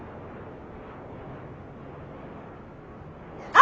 あ！